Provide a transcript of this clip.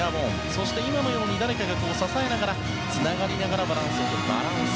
そして今のように誰かが支えながらつながりながらバランスをとる、バランス。